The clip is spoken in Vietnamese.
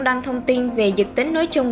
đăng thông tin về dự tính nối chung